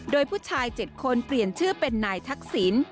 โดยผู้ชาย๗คนเปลี่ยนชื่อเป็นนายทักษิณ